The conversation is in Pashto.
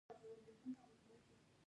زه د خپلو زدکړو په برخه کښي پرمختګ غواړم.